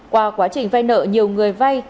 qua quá trình vay nợ nhiều người vay